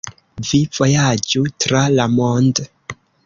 Vi vojaĝu tra la mond'